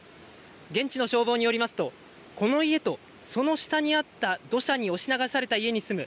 現地の消防によりますとこの家とその下にあった土砂に押し流された家に住む